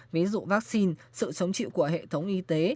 ví dụ vaccine sự chống chịu của hệ thống y tế